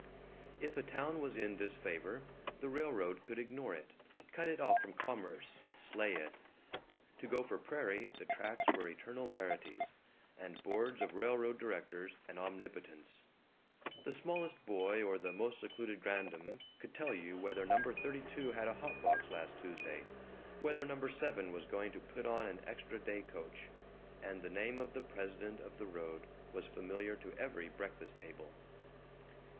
If a town was in disfavor, the railroad could ignore it, cut it off from commerce, slay it. To Gopher Prairie the tracks were eternal verities, and boards of railroad directors an omnipotence. The smallest boy or the most secluded grandam could tell you whether No. 32 had a hot box last Tuesday, whether No. 7 was going to put on an extra day coach; and the name of the president of the road was familiar to every breakfast table.